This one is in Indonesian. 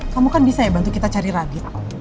kamu kan bisa ya bantu kita cari lagi